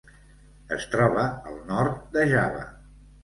Es troba al nord de Java.